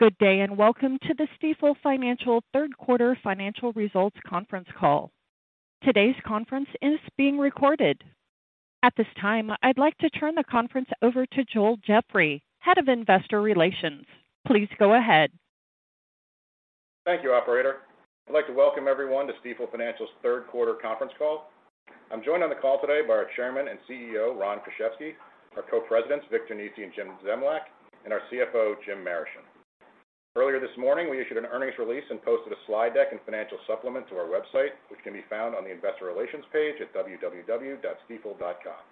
Good day, and welcome to the Stifel Financial Third Quarter Financial Results Conference Call. Today's conference is being recorded. At this time, I'd like to turn the conference over to Joel Jeffrey, Head of Investor Relations. Please go ahead. Thank you, operator. I'd like to welcome everyone to Stifel Financial's third quarter conference call. I'm joined on the call today by our Chairman and CEO, Ron Kruszewski, our Co-Presidents, Vic Nesi and Jim Zemlyak, and our CFO, Jim Marischen. Earlier this morning, we issued an earnings release and posted a slide deck and financial supplement to our website, which can be found on the Investor Relations page at www.stifel.com.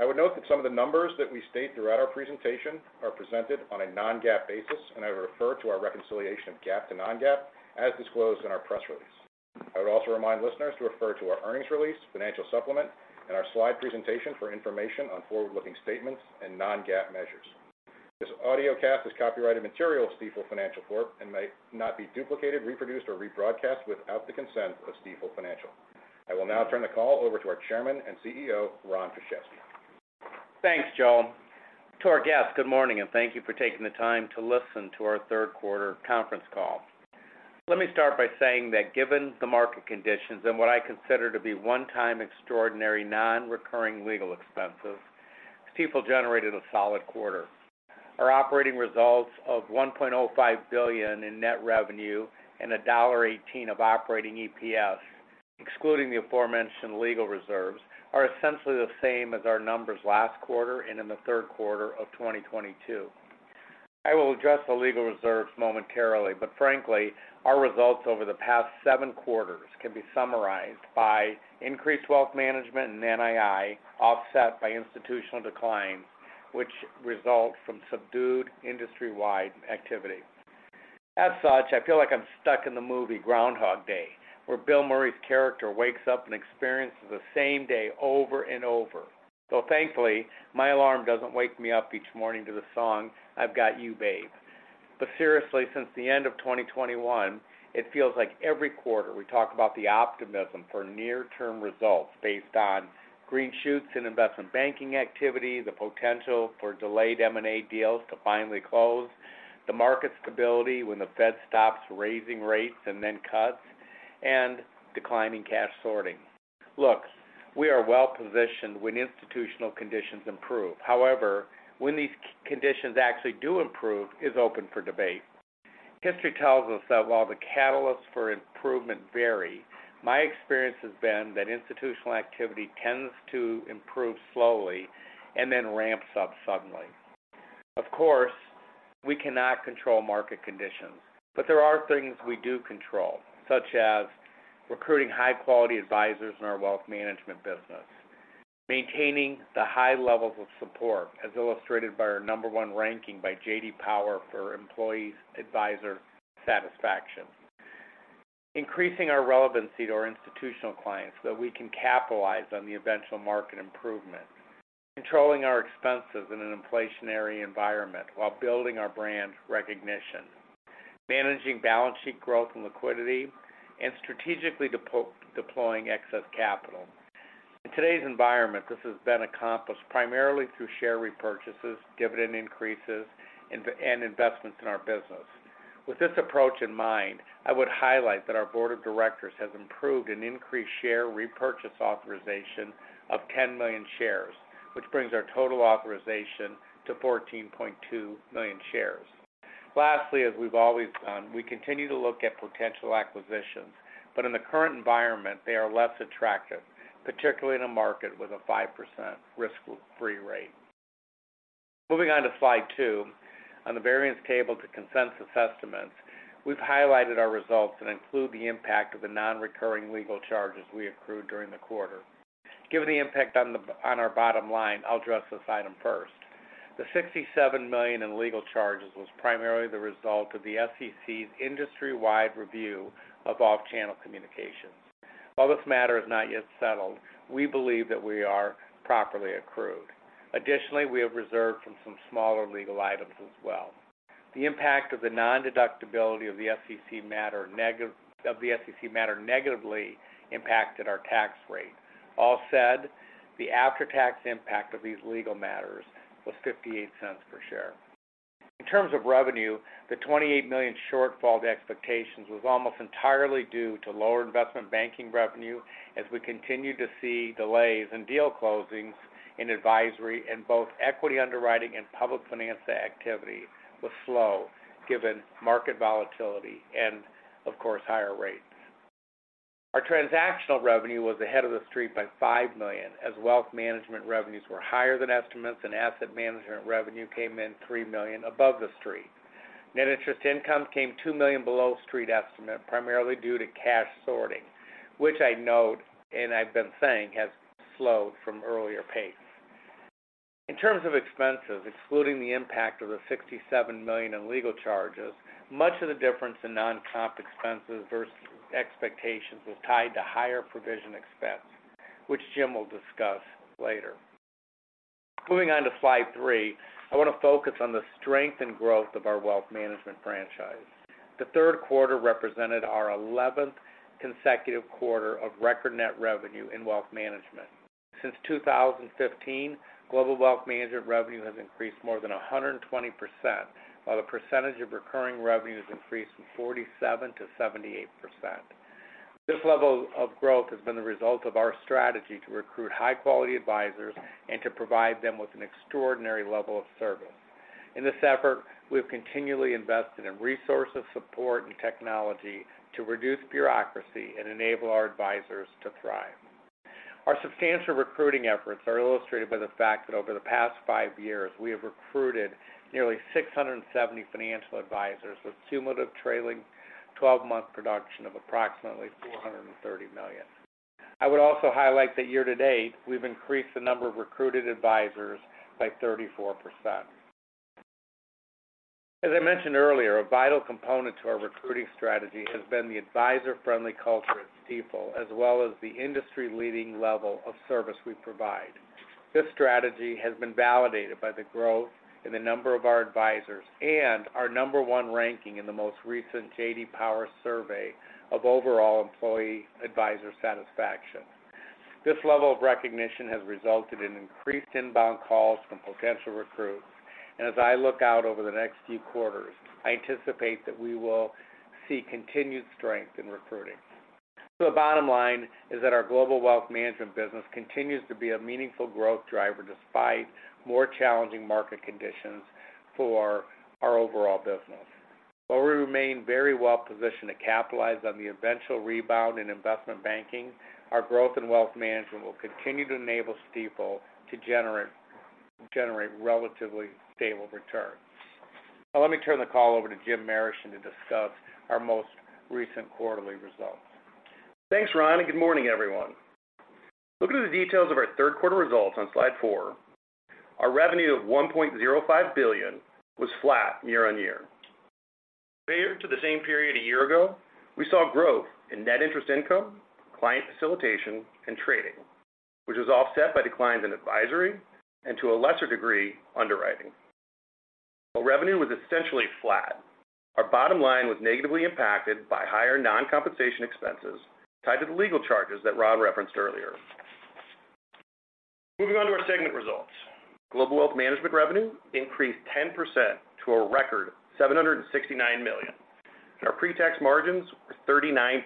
I would note that some of the numbers that we state throughout our presentation are presented on a non-Generally Accepted Accounting Principles (non-GAAP) basis, and I would refer to our reconciliation of GAAP to non-GAAP as disclosed in our press release. I would also remind listeners to refer to our earnings release, financial supplement, and our slide presentation for information on forward-looking statements and non-GAAP measures. This audiocast is copyrighted material of Stifel Financial Corp. may not be duplicated, reproduced, or rebroadcast without the consent of Stifel Financial. I will now turn the call over to our Chairman and CEO, Ron Kruszewski. Thanks, Joel. To our guests, good morning, and thank you for taking the time to listen to our third quarter conference call. Let me start by saying that given the market conditions and what I consider to be one-time, extraordinary, non-recurring legal expenses, Stifel generated a solid quarter. Our operating results of $1.05 billion in net revenue and $1.18 of operating EPS, excluding the aforementioned legal reserves, are essentially the same as our numbers last quarter and in the third quarter of 2022. I will address the legal reserves momentarily, frankly, our results over the past seven quarters can be summarized by increased wealth management and NII, offset by institutional decline, which results from subdued industry-wide activity. As such, I feel like I'm stuck in the movie Groundhog Day, where Bill Murray's character wakes up and experiences the same day over and over. Though thankfully, my alarm doesn't wake me up each morning to the song, I've Got You, Babe. seriously, since the end of 2021, it feels like every quarter we talk about the optimism for near-term results based on green shoots in investment banking activity, the potential for delayed M&A deals to finally close, the market stability when the Fed stops raising rates and then cuts, and declining cash sorting. Look, we are well-positioned when institutional conditions improve. However, when these conditions actually do improve is open for debate. History tells us that while the catalysts for improvement vary, my experience has been that institutional activity tends to improve slowly and then ramps up suddenly. Of course, we cannot control market conditions, but there are things we do control, such as recruiting high-quality advisors in our wealth management business, maintaining the high levels of support as illustrated by our number one ranking by J.D. Power for employee advisor satisfaction. Increasing our relevancy to our institutional clients, so we can capitalize on the eventual market improvement. Controlling our expenses in an inflationary environment while building our brand recognition, managing balance sheet growth and liquidity, and strategically deploying excess capital. In today's environment, this has been accomplished primarily through share repurchases, dividend increases, and investments in our business. With this approach in mind, I would highlight that our board of directors has approved an increased share repurchase authorization of 10 million shares, which brings our total authorization to 14.2 million shares. Lastly, as we've always done, we continue to look at potential acquisitions, but in the current environment, they are less attractive, particularly in a market with a 5% risk-free rate. Moving on to slide 2. On the variance table to consensus estimates, we've highlighted our results that include the impact of the non-recurring legal charges we accrued during the quarter. Given the impact on our bottom line, I'll address this item first. The $67 million in legal charges was primarily the result of the Securities and Exchange Commission (SEC) industry-wide review of off-channel communications. While this matter is not yet settled, we believe that we are properly accrued. Additionally, we have reserved from some smaller legal items as well. The impact of the nondeductibility of the SEC matter negatively impacted our tax rate. All said, the after-tax impact of these legal matters was $0.58 per share. In terms of revenue, the $28 million shortfall to expectations was almost entirely due to lower investment banking revenue, as we continue to see delays in deal closings, in advisory, and both equity underwriting and public finance activity was slow, given market volatility and of course, higher rates. Our transactional revenue was ahead of the street by $5 million, as wealth management revenues were higher than estimates, and asset management revenue came in $3 million above the street. Net interest income came $2 million below street estimate, primarily due to cash sorting, which I note and I've been saying, has slowed from earlier pace. In terms of expenses, excluding the impact of the $67 million in legal charges, much of the difference in non-comp expenses versus expectations was tied to higher provision expense, which Jim will discuss later. Moving on to slide 3, I want to focus on the strength and growth of our wealth management franchise.... The third quarter represented our eleventh consecutive quarter of record net revenue in wealth management. Since 2015, global wealth management revenue has increased more than 120%, while the percentage of recurring revenue has increased from 47% to 78%. This level of growth has been the result of our strategy to recruit high-quality advisors and to provide them with an extraordinary level of service. In this effort, we have continually invested in resources, support, and technology to reduce bureaucracy and enable our advisors to thrive. Our substantial recruiting efforts are illustrated by the fact that over the past five years, we have recruited nearly 670 financial advisors with cumulative trailing twelve-month production of approximately $430 million. I would also highlight that year-to-date, we've increased the number of recruited advisors by 34%. As I mentioned earlier, a vital component to our recruiting strategy has been the advisor-friendly culture at Stifel, as well as the industry-leading level of service we provide. This strategy has been validated by the growth in the number of our advisors and our number one ranking in the most recent J.D. Power survey of overall employee advisor satisfaction. This level of recognition has resulted in increased inbound calls from potential recruits. And as I look out over the next few quarters, I anticipate that we will see continued strength in recruiting. So the bottom line is that our global wealth management business continues to be a meaningful growth driver despite more challenging market conditions for our overall business. While we remain very well positioned to capitalize on the eventual rebound in investment banking, our growth in wealth management will continue to enable Stifel to generate relatively stable returns. Now, let me turn the call over to James Marischen to discuss our most recent quarterly results. Thanks, Ron, and good morning, everyone. Looking at the details of our third quarter results on slide 4, our revenue of $1.05 billion was flat year-on-year. Compared to the same period a year ago, we saw growth in net interest income, client facilitation, and trading, which was offset by declines in advisory and, to a lesser degree, underwriting. While revenue was essentially flat, our bottom line was negatively impacted by higher non-compensation expenses tied to the legal charges that Ron referenced earlier. Moving on to our segment results. Global Wealth Management revenue increased 10% to a record $769 million, and our pre-tax margins were 39%.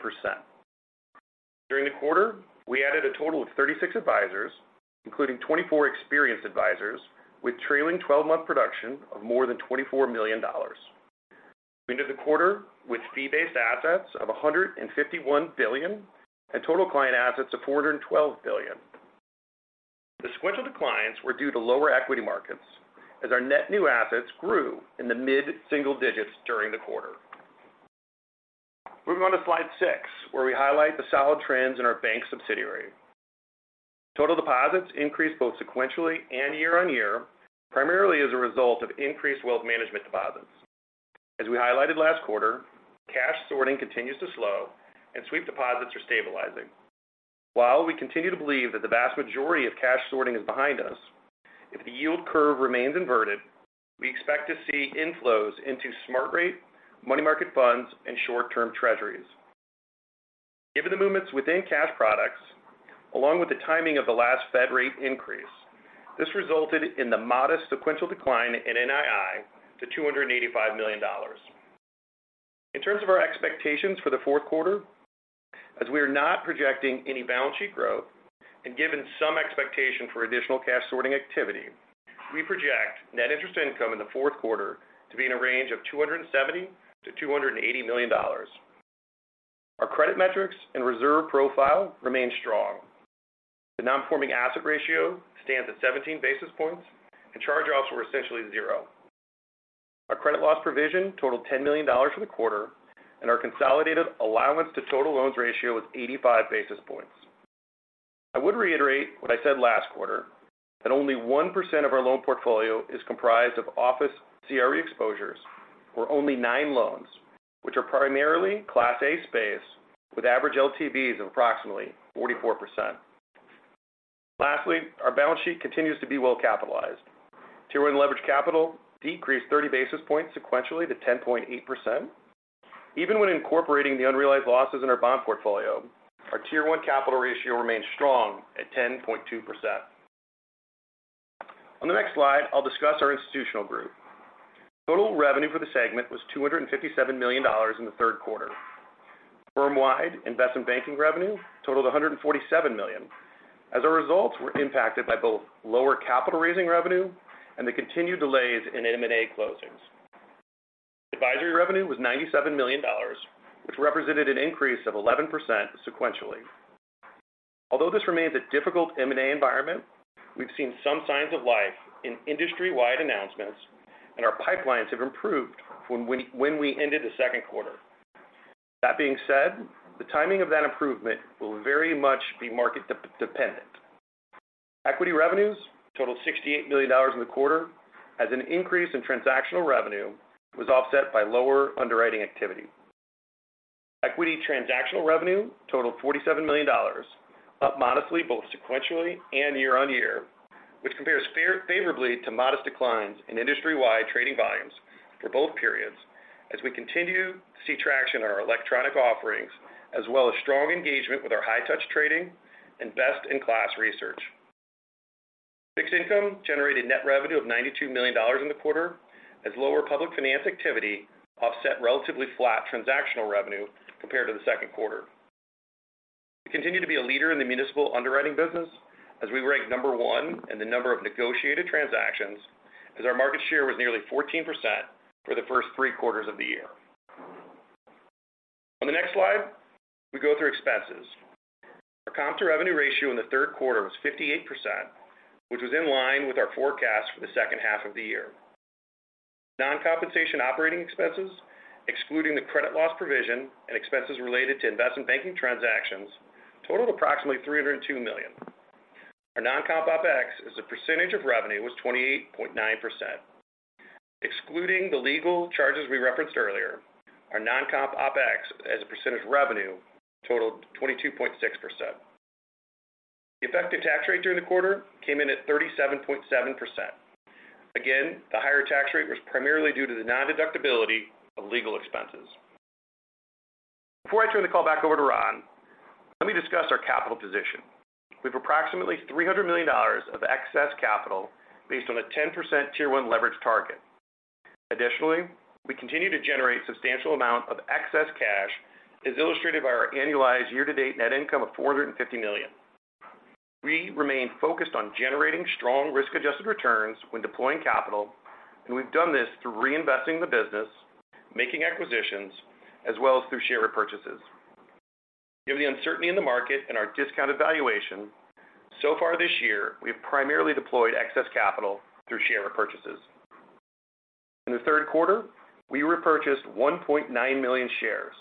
During the quarter, we added a total of 36 advisors, including 24 experienced advisors with trailing twelve-month production of more than $24 million. We ended the quarter with fee-based assets of $151 billion and total client assets of $412 billion. The sequential declines were due to lower equity markets, as our net new assets grew in the mid-single digits during the quarter. Moving on to Slide 6, where we highlight the solid trends in our bank subsidiary. Total deposits increased both sequentially and year-on-year, primarily as a result of increased wealth management deposits. As we highlighted last quarter, cash sorting continues to slow and sweep deposits are stabilizing. While we continue to believe that the vast majority of cash sorting is behind us, if the yield curve remains inverted, we expect to see inflows into Smart Rate, money market funds, and short-term Treasuries. Given the movements within cash products, along with the timing of the last Fed rate increase, this resulted in the modest sequential decline in NII to $285 million. In terms of our expectations for the fourth quarter, as we are not projecting any balance sheet growth and given some expectation for additional cash sorting activity, we project net interest income in the fourth quarter to be in a range of $270 million-$280 million. Our credit metrics and reserve profile remain strong. The non-performing asset ratio stands at 17 basis points, and charge-offs were essentially zero. Our credit loss provision totaled $10 million for the quarter, and our consolidated allowance to total loans ratio was 85 basis points. I would reiterate what I said last quarter, that only 1% of our loan portfolio is comprised of office CRE exposures, or only 9 loans, which are primarily Class A space with average LTVs of approximately 44%. Lastly, our balance sheet continues to be well capitalized. Tier 1 leverage capital decreased 30 basis points sequentially to 10.8%. Even when incorporating the unrealized losses in our bond portfolio, our Tier 1 capital ratio remains strong at 10.2%. On the next slide, I'll discuss our institutional group. Total revenue for the segment was $257 million in the third quarter. Firm-wide investment banking revenue totaled $147 million. As a result, we're impacted by both lower capital raising revenue and the continued delays in M&A closings. Advisory revenue was $97 million, which represented an increase of 11% sequentially. Although this remains a difficult M&A environment, we've seen some signs of life in industry-wide announcements, and our pipelines have improved from when we ended the second quarter. That being said, the timing of that improvement will very much be market dependent. Equity revenues totaled $68 million in the quarter, as an increase in transactional revenue was offset by lower underwriting activity. Equity transactional revenue totaled $47 million, up modestly, both sequentially and year-on-year, which compares favorably to modest declines in industry-wide trading volumes for both periods, as we continue to see traction in our electronic offerings, as well as strong engagement with our high touch trading and best-in-class research. Fixed income generated net revenue of $92 million in the quarter, as lower public finance activity offset relatively flat transactional revenue compared to the second quarter. We continue to be a leader in the municipal underwriting business, as we rank number one in the number of negotiated transactions, as our market share was nearly 14% for the first three quarters of the year. On the next slide, we go through expenses. Our comp to revenue ratio in the third quarter was 58%, which was in line with our forecast for the second half of the year. Non-compensation operating expenses, excluding the credit loss provision and expenses related to investment banking transactions, totaled approximately $302 million. Our non-comp OpEx, as a percentage of revenue, was 28.9%. Excluding the legal charges we referenced earlier, our non-comp OpEx, as a percentage of revenue, totaled 22.6%. The effective tax rate during the quarter came in at 37.7%. Again, the higher tax rate was primarily due to the nondeductibility of legal expenses. Before I turn the call back over to Ron, let me discuss our capital position. We have approximately $300 million of excess capital based on a 10% Tier 1 leverage target. Additionally, we continue to generate substantial amount of excess cash, as illustrated by our annualized year-to-date net income of $450 million. We remain focused on generating strong risk-adjusted returns when deploying capital, and we've done this through reinvesting the business, making acquisitions, as well as through share repurchases. Given the uncertainty in the market and our discounted valuation, so far this year, we have primarily deployed excess capital through share repurchases. In the third quarter, we repurchased 1.9 million shares.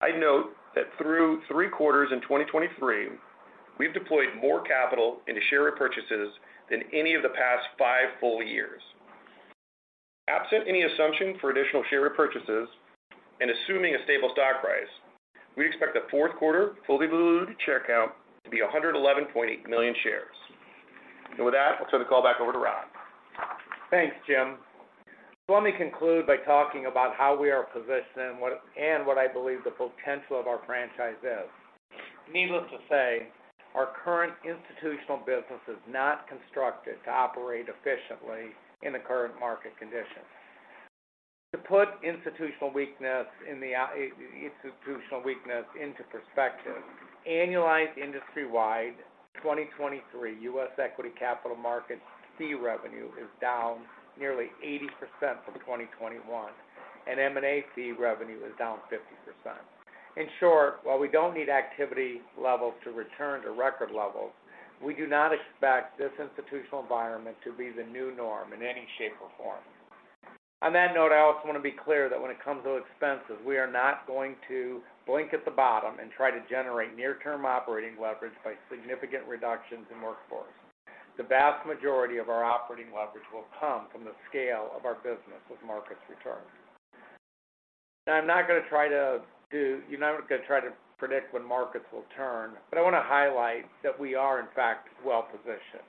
I'd note that through three quarters in 2023, we've deployed more capital into share repurchases than any of the past 5 full years. Absent any assumption for additional share repurchases and assuming a stable stock price, we expect the fourth quarter, fully diluted share count to be 111.8 million shares. And with that, I'll turn the call back over to Ron. Thanks, Jim. So let me conclude by talking about how we are positioned and what I believe the potential of our franchise is. Needless to say, our current institutional business is not constructed to operate efficiently in the current market conditions. To put institutional weakness into perspective, annualized industry-wide 2023 US equity capital markets fee revenue is down nearly 80% from 2021, and M&A fee revenue is down 50%. In short, while we don't need activity levels to return to record levels, we do not expect this institutional environment to be the new norm in any shape or form. On that note, I also want to be clear that when it comes to expenses, we are not going to blink at the bottom and try to generate near-term operating leverage by significant reductions in workforce. The vast majority of our operating leverage will come from the scale of our business as markets return. Now, I'm not going to try to predict when markets will turn, but I want to highlight that we are, in fact, well-positioned.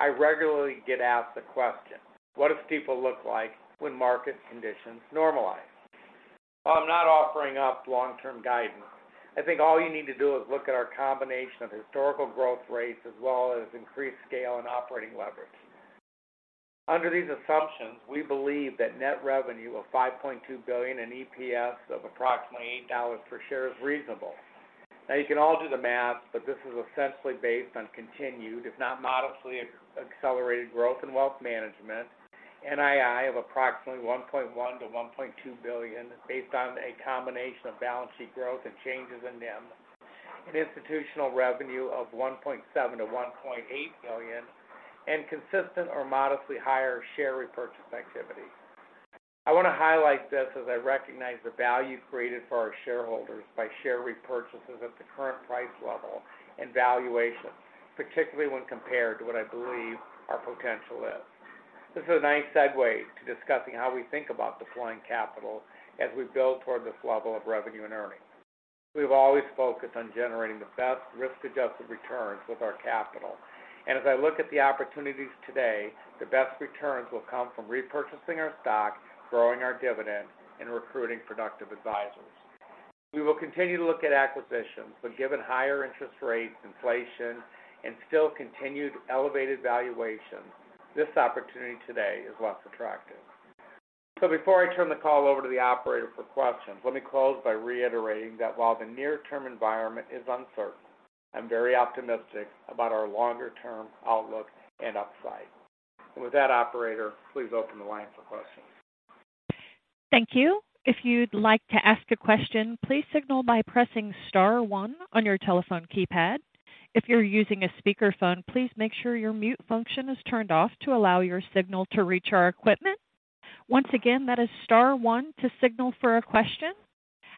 I regularly get asked the question, "What does people look like when market conditions normalize?" While I'm not offering up long-term guidance, I think all you need to do is look at our combination of historical growth rates as well as increased scale and operating leverage. Under these assumptions, we believe that net revenue of $5.2 billion in EPS of approximately $8 per share is reasonable. Now, you can all do the math, but this is essentially based on continued, if not modestly accelerated, growth in wealth management, NII of approximately $1.1 billion-$1.2 billion, based on a combination of balance sheet growth and changes in NIM. An institutional revenue of $1.7 billion-$1.8 billion and consistent or modestly higher share repurchase activity. I want to highlight this as I recognize the value created for our shareholders by share repurchases at the current price level and valuation, particularly when compared to what I believe our potential is. This is a nice segue to discussing how we think about deploying capital as we build toward this level of revenue and earnings. We've always focused on generating the best risk-adjusted returns with our capital, and as I look at the opportunities today, the best returns will come from repurchasing our stock, growing our dividend, and recruiting productive advisors. We will continue to look at acquisitions, but given higher interest rates, inflation, and still continued elevated valuations, this opportunity today is less attractive. Before I turn the call over to the operator for questions, let me close by reiterating that while the near-term environment is uncertain, I'm very optimistic about our longer-term outlook and upside. With that, operator, please open the line for questions. Thank you. If you'd like to ask a question, please signal by pressing star one on your telephone keypad. If you're using a speakerphone, please make sure your mute function is turned off to allow your signal to reach our equipment. Once again, that is star one to signal for a question,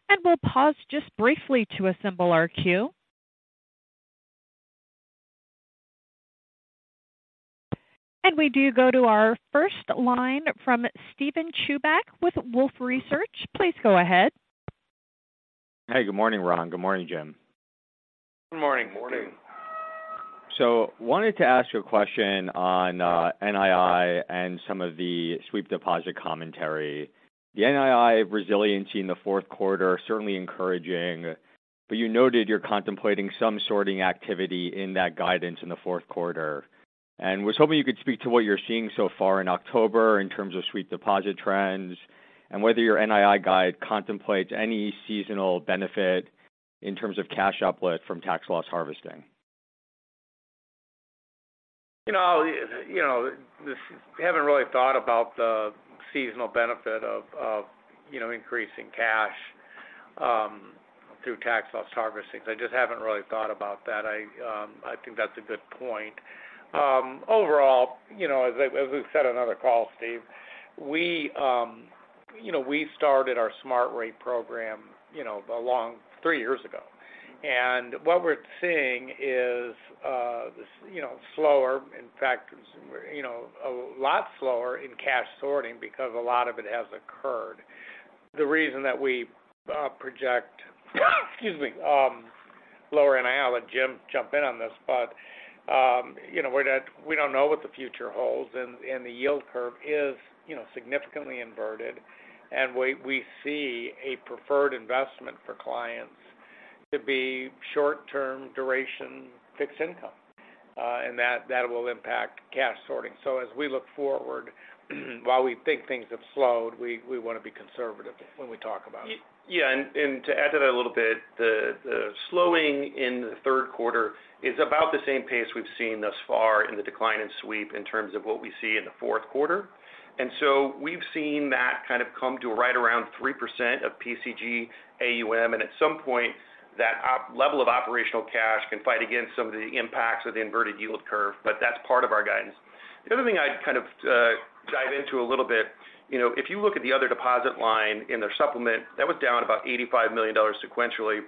and we'll pause just briefly to assemble our queue.... We do go to our first line from Steven Chubak with Wolfe Research. Please go ahead. Hey, good morning, Ron. Good morning, Jim. Good morning. Morning. So wanted to ask you a question on, NII and some of the sweep deposit commentary. The NII resiliency in the fourth quarter, certainly encouraging, but you noted you're contemplating some sorting activity in that guidance in the fourth quarter. Was hoping you could speak to what you're seeing so far in October in terms of sweep deposit trends and whether your NII guide contemplates any seasonal benefit in terms of cash uplift from tax loss harvesting. You know, you know, this, we haven't really thought about the seasonal benefit of increasing cash through tax loss harvesting. I just haven't really thought about that. I, I think that's a good point. Overall, you know, as I, as we've said on other calls, Steve, we, you know, we started our Smart Rate program, you know, along 3 years ago. And what we're seeing is this, you know, slower, in fact, you know, a lot slower in cash sorting because a lot of it has occurred. The reason that we project, excuse me, lower NII. I'll let Jim jump in on this, but, you know, we're not, we don't know what the future holds and, and the yield curve is, you know, significantly inverted, and we, we see a preferred investment for clients to be short-term duration fixed income, and that, that will impact cash sorting. So as we look forward, while we think things have slowed, we, we want to be conservative when we talk about it. Yeah, and to add to that a little bit, the slowing in the third quarter is about the same pace we've seen thus far in the decline in sweep in terms of what we see in the fourth quarter. And so we've seen that kind of come to a right around 3% of PCG AUM, and at some point, that operational level of operational cash can fight against some of the impacts of the inverted yield curve, but that's part of our guidance. The other thing I'd kind of dive into a little bit, you know, if you look at the other deposit line in their supplement, that was down about $85 million sequentially.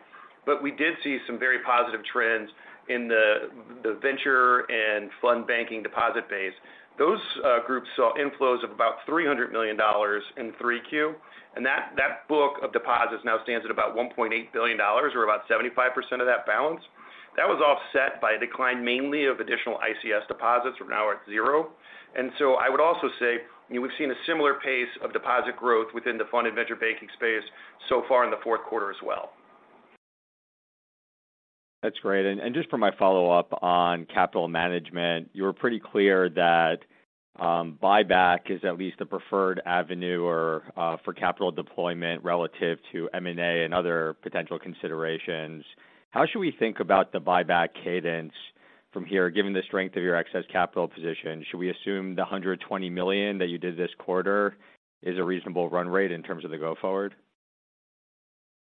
But we did see some very positive trends in the venture and fund banking deposit base. Those groups saw inflows of about $300 million in third quarter, and that book of deposits now stands at about $1.8 billion or about 75% of that balance. That was offset by a decline, mainly of additional ICS deposits, who are now at zero. And so I would also say we've seen a similar pace of deposit growth within the fund and venture banking space so far in the fourth quarter as well. That's great. And just for my follow-up on capital management, you were pretty clear that buyback is at least a preferred avenue or for capital deployment relative to M&A and other potential considerations. How should we think about the buyback cadence from here, given the strength of your excess capital position? Should we assume the $120 million that you did this quarter is a reasonable run rate in terms of the go forward?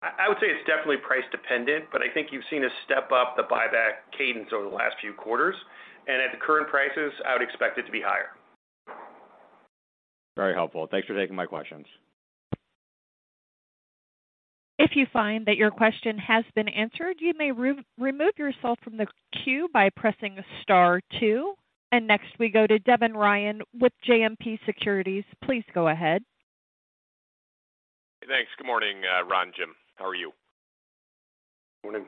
I would say it's definitely price dependent, but I think you've seen us step up the buyback cadence over the last few quarters. And at the current prices, I would expect it to be higher. Very helpful. Thanks for taking my questions. If you find that your question has been answered, you may re-remove yourself from the queue by pressing star two. Next, we go to Devin Ryan with JMP Securities. Please go ahead. Thanks. Good morning, Ron, Jim, how are you? Morning.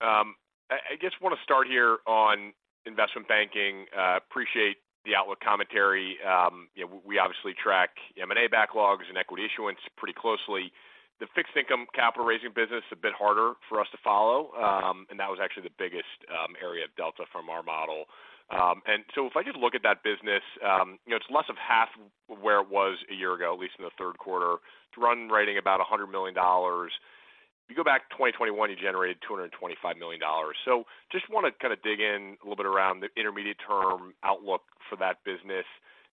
I just want to start here on investment banking. Appreciate the outlook commentary. You know, we obviously track M&A backlogs and equity issuance pretty closely. The fixed income capital raising business is a bit harder for us to follow, and that was actually the biggest area of delta from our model. And so if I just look at that business, you know, it's less than half where it was a year ago, at least in the third quarter. It's run rate about $100 million. You go back to 2021, you generated $225 million. So just want to kind of dig in a little bit around the intermediate-term outlook for that business.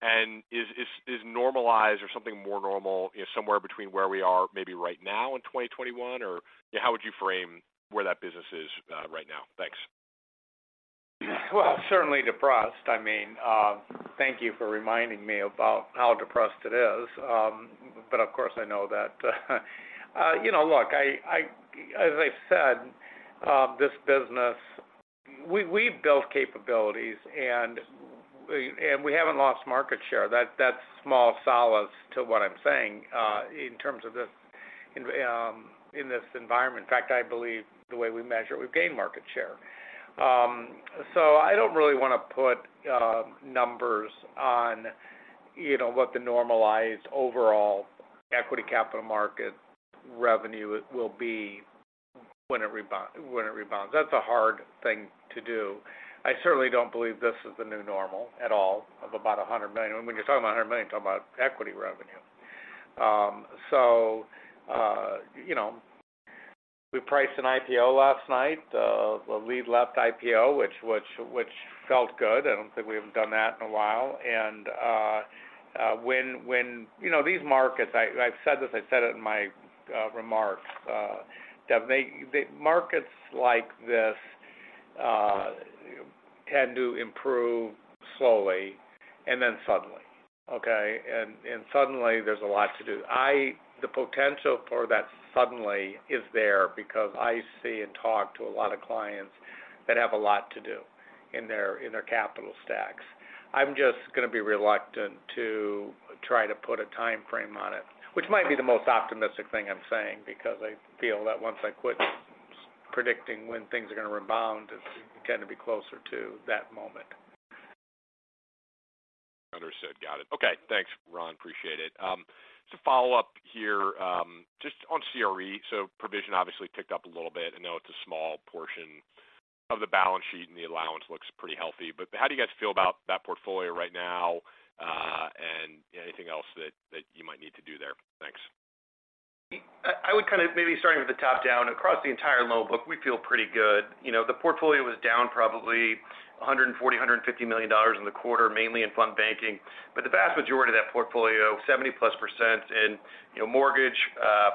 And is normalized or something more normal, you know, somewhere between where we are maybe right now in 2021, or how would you frame where that business is, right now? Thanks. Well, certainly depressed. I mean, thank you for reminding me about how depressed it is. But of course, I know that. You know, look, as I said, this business, we, we've built capabilities and we, and we haven't lost market share. That's small solace to what I'm saying, in terms of this, in this environment. In fact, I believe the way we measure it, we've gained market share. So I don't really want to put numbers on, you know, what the normalized overall equity capital market revenue will be when it rebounds. That's a hard thing to do. I certainly don't believe this is the new normal at all, of about $100 million. When you're talking about $100 million, you're talking about equity revenue. So, you know, we priced an IPO last night, a lead left IPO, which felt good. I don't think we've done that in a while. You know, these markets, I've said this, I said it in my remarks, that they, markets like this, tend to improve slowly and then suddenly. Okay, suddenly there's a lot to do. The potential for that suddenly is there because I see and talk to a lot of clients that have a lot to do in their capital stacks. I'm just going to be reluctant to try to put a time frame on it, which might be the most optimistic thing I'm saying, because I feel that once I quit predicting when things are going to rebound, it's going to be closer to that moment. Understood. Got it. Okay. Thanks, Ron. Appreciate it. Just a follow-up here, just on CRE. So provision obviously ticked up a little bit. I know it's a small portion of the balance sheet, and the allowance looks pretty healthy, but how do you guys feel about that portfolio right now, and anything else that you might need to do there? Thanks. I would kind of maybe starting with the top down. Across the entire loan book, we feel pretty good. You know, the portfolio was down probably $140-$150 million in the quarter, mainly in fund banking. But the vast majority of that portfolio, 70%+ in, you know, mortgage,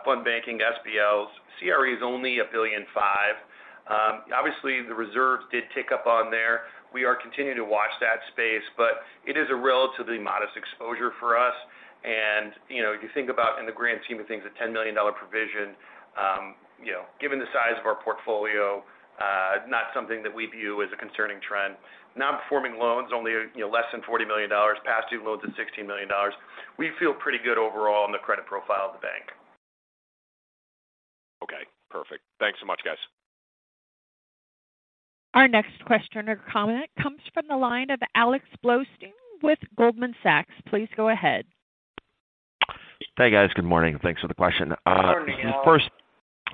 fund banking, SBLs. CRE is only $1.5 billion. Obviously, the reserves did tick up on there. We are continuing to watch that space, but it is a relatively modest exposure for us. And, you know, you think about in the grand scheme of things, a $10 million provision, you know, given the size of our portfolio, not something that we view as a concerning trend. Non-performing loans, only, you know, less than $40 million. Past due loans is $16 million. We feel pretty good overall in the credit profile of the bank. Okay, perfect. Thanks so much, guys. Our next question or comment comes from the line of Alex Blostein with Goldman Sachs. Please go ahead. Hey, guys. Good morning, and thanks for the question. Good morning, Alex. First,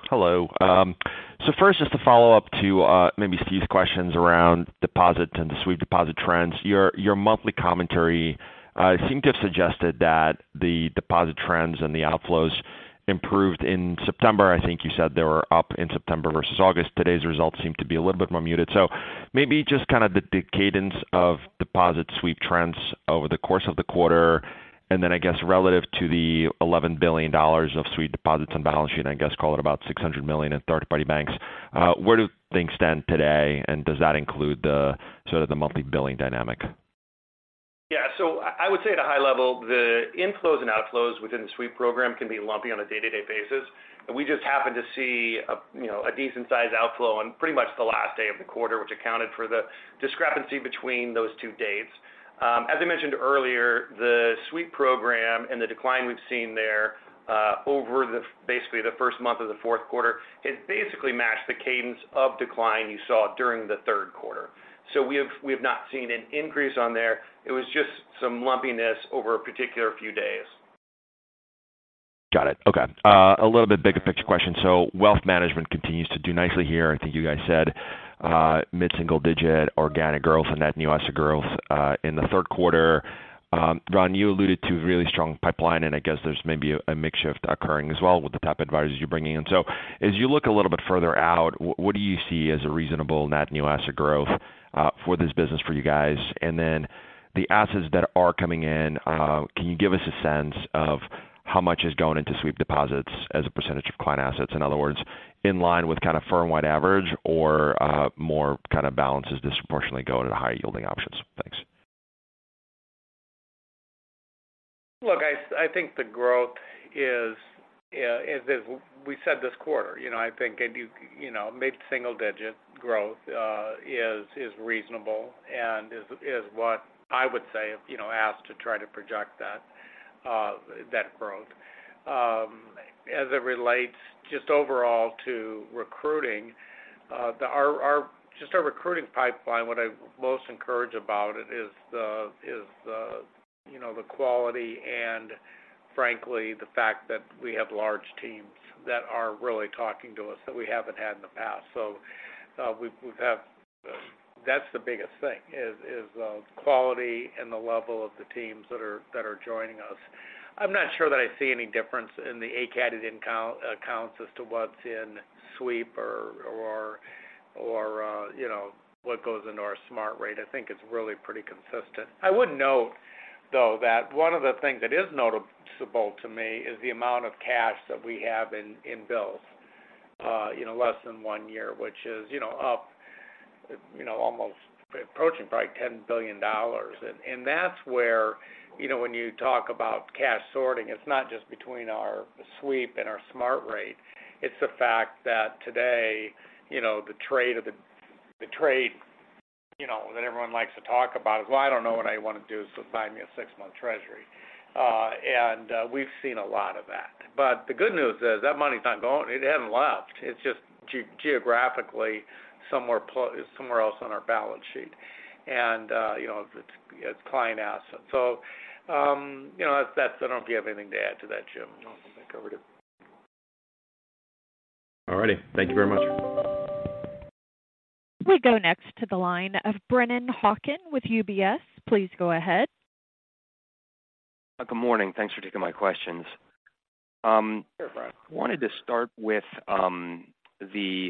hello. So first, just to follow up to maybe Steve's questions around deposits and the sweep deposit trends. Your, your monthly commentary seemed to have suggested that the deposit trends and the outflows improved in September. I think you said they were up in September versus August. Today's results seem to be a little bit more muted. So maybe just kind of the cadence of deposit sweep trends over the course of the quarter, and then I guess relative to the $11 billion of sweep deposits on the balance sheet, I guess call it about $600 million in third-party banks. Where do things stand today, and does that include the sort of the monthly billing dynamic? Yeah. So I would say at a high level, the inflows and outflows within the sweep program can be lumpy on a day-to-day basis. But we just happened to see a, you know, a decent size outflow on pretty much the last day of the quarter, which accounted for the discrepancy between those two dates. As I mentioned earlier, the sweep program and the decline we've seen there over basically the first month of the fourth quarter, it basically matched the cadence of decline you saw during the third quarter. So we have not seen an increase on there. It was just some lumpiness over a particular few days. Got it. Okay. A little bit bigger picture question. So wealth management continues to do nicely here. I think you guys said mid-single digit organic growth and net new asset growth in the third quarter. Ron, you alluded to really strong pipeline, and I guess there's maybe a mix shift occurring as well with the top advisors you're bringing in. So as you look a little bit further out, what do you see as a reasonable net new asset growth for this business for you guys? And then the assets that are coming in, can you give us a sense of how much is going into sweep deposits as a percentage of client assets? In other words, in line with kind of firm-wide average or more kind of balances disproportionately going to the higher yielding options. Thanks. Look, I think the growth is as we said this quarter, you know, I think, you know, maybe single digit growth is reasonable and is what I would say, you know, asked to try to project that growth. As it relates just overall to recruiting, our recruiting pipeline, what I'm most encouraged about it is the quality and frankly, the fact that we have large teams that are really talking to us that we haven't had in the past. So, that's the biggest thing is quality and the level of the teams that are joining us. I'm not sure that I see any difference in the A category accounts as to what's in sweep or you know what goes into our Smart Rate. I think it's really pretty consistent. I would note, though, that one of the things that is noticeable to me is the amount of cash that we have in bills you know less than one year, which is you know up you know almost approaching probably $10 billion. And that's where you know when you talk about cash sorting, it's not just between our sweep and our Smart Rate. It's the fact that today you know the trade of the trade you know that everyone likes to talk about is, well, I don't know what I want to do, so buy me a six-month Treasury. And we've seen a lot of that. The good news is that money's not going. It hasn't left. It's just geographically somewhere else on our balance sheet, and you know, it's client assets. So you know, that's. I don't know if you have anything to add to that, Jim. No, I think that covered it. All righty. Thank you very much. We go next to the line of Brennan Hawken with UBS. Please go ahead. Good morning. Thanks for taking my questions. Sure, Brennan. I wanted to start with the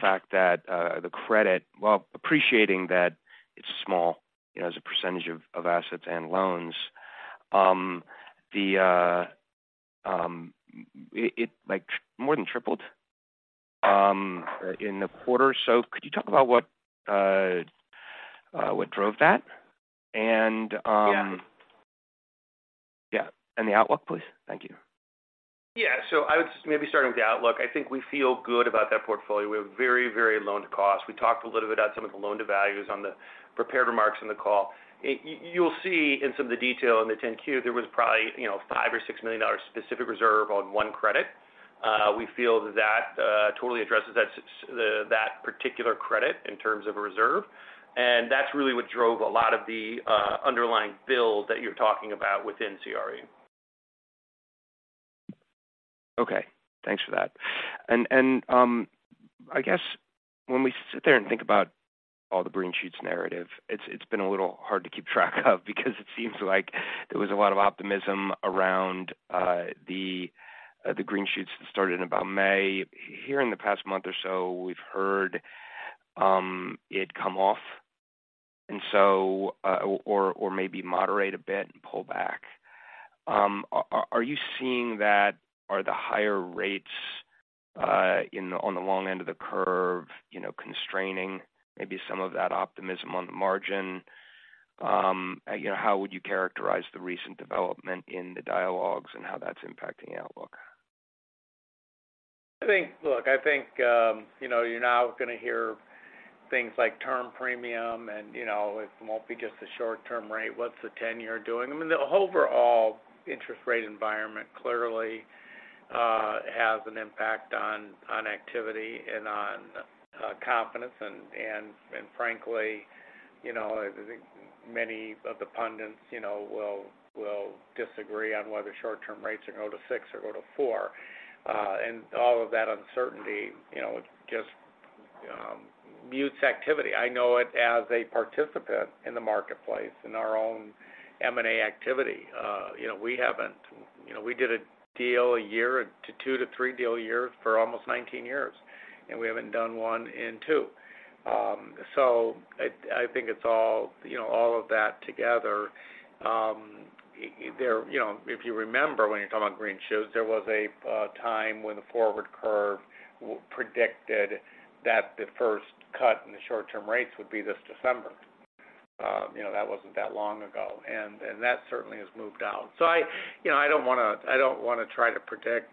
fact that the credit, while appreciating that it's small, you know, as a percentage of assets and loans, it like more than tripled?... in the quarter. So could you talk about what drove that? And Yeah. Yeah, and the outlook, please. Thank you. Yeah. So I would just maybe start with the outlook. I think we feel good about that portfolio. We have very, very loan to cost. We talked a little bit about some of the loan to values on the prepared remarks on the call. You'll see in some of the detail in the 10-Q, there was probably, you know, $5 or $6 million specific reserve on one credit. We feel that that totally addresses that the, that particular credit in terms of a reserve, and that's really what drove a lot of the underlying build that you're talking about within CRE. Okay, thanks for that. And I guess when we sit there and think about all the green shoots narrative, it's been a little hard to keep track of because it seems like there was a lot of optimism around the green shoots that started in about May. Here in the past month or so, we've heard it come off, and so or maybe moderate a bit and pull back. Are you seeing that, are the higher rates in on the long end of the curve, you know, constraining maybe some of that optimism on the margin? You know, how would you characterize the recent development in the dialogues and how that's impacting the outlook? I think. Look, I think, you know, you're now gonna hear things like term premium and, you know, it won't be just a short-term rate. What's the 10-year doing? I mean, the overall interest rate environment clearly has an impact on activity and on confidence. Frankly, you know, I think many of the pundits will disagree on whether short-term rates are go to 6 or go to 4. And all of that uncertainty, you know, just mutes activity. I know it as a participant in the marketplace, in our own M&A activity. You know, we haven't, you know, we did a deal a year to 2 to 3 deal a year for almost 19 years, and we haven't done one in 2. So I think it's all, you know, all of that together. There, you know, if you remember when you're talking about green shoots, there was a time when the forward curve predicted that the first cut in the short-term rates would be this December. You know, that wasn't that long ago, and that certainly has moved out. So, you know, I don't wanna, I don't wanna try to predict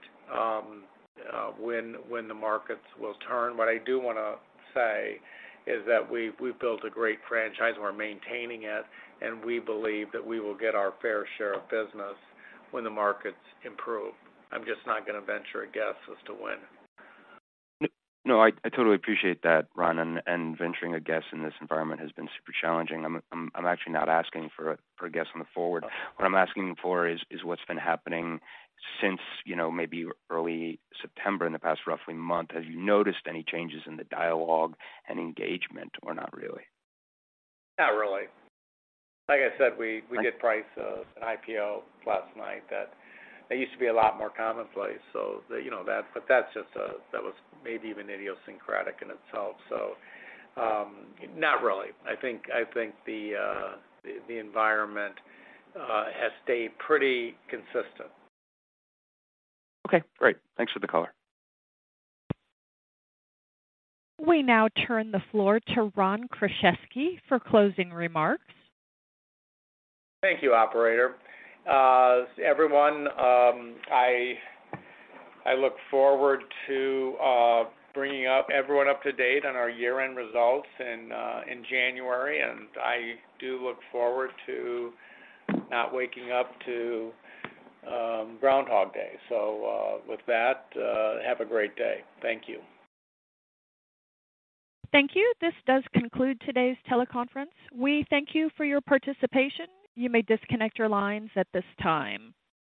when, when the markets will turn. What I do wanna say is that we've, we've built a great franchise, and we're maintaining it, and we believe that we will get our fair share of business when the markets improve. I'm just not gonna venture a guess as to when. No, I totally appreciate that, Ron, and venturing a guess in this environment has been super challenging. I'm actually not asking for a guess on the forward. What I'm asking for is what's been happening since, you know, maybe early September, in the past roughly month. Have you noticed any changes in the dialogue and engagement, or not really? Not really. Like I said, we did price an IPO last night that used to be a lot more commonplace. So, you know, that's just that was maybe even idiosyncratic in itself. So, not really. I think the environment has stayed pretty consistent. Okay, great. Thanks for the color. We now turn the floor to Ron Kruszewski for closing remarks. Thank you, operator. Everyone, I look forward to bringing everyone up to date on our year-end results in January, and I do look forward to not waking up to Groundhog Day. So, with that, have a great day. Thank you. Thank you. This does conclude today's teleconference. We thank you for your participation. You may disconnect your lines at this time.